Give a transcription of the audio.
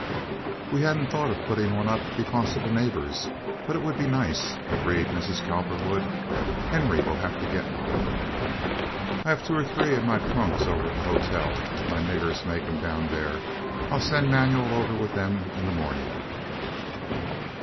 "We hadn't thought of putting one up because of the neighbors, but it would be nice," agreed Mrs. Cowperwood. "Henry will have to get one." "I have two or three in my trunks over at the hotel. My niggers make 'em down there. I'll send Manuel over with them in the morning."